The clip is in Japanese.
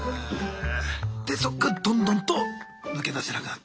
でそっからどんどんと抜け出せなくなっていくと。